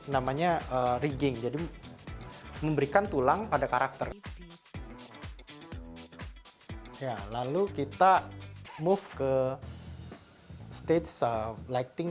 namanya rigging jadi memberikan tulang pada karakter ya lalu kita move ke stage lighting